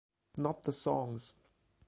Not the songs.